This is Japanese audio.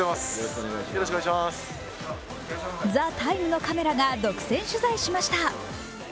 「ＴＨＥＴＩＭＥ，」のカメラが独占取材しました。